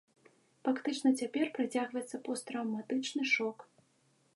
Фактычна цяпер працягваецца посттраўматычны шок.